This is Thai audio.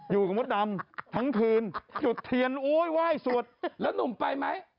มดดำทั้งคืนจุดเทียนโอ้ยไหว้สวดแล้วหนุ่มไปไหม